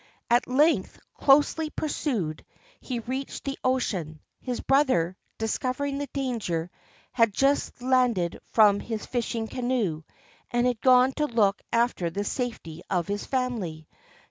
At length, closely pursued, he reached the ocean. His brother, discovering the danger, had just landed from his fishing canoe and had gone to look after the safety of his family.